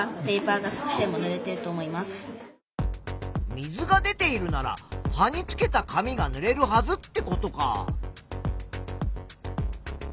水が出ているなら葉につけた紙がぬれるはずってことか。